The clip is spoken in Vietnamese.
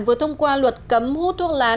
vừa thông qua luật cấm hút thuốc lá